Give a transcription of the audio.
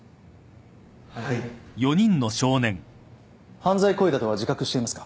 犯罪行為だとは自覚していますか？